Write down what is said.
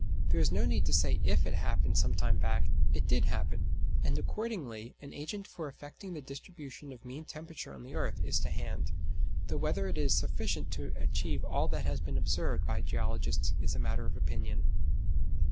There is no need to say if it happened some time back: it did happen, and accordingly an agent for affecting the distribution of mean temperature on the earth is to hand; though whether it is sufficient to achieve all that has been observed by geologists is a matter of opinion.